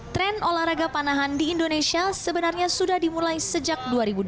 tren olahraga panahan di indonesia sebenarnya sudah dimulai sejak dua ribu dua belas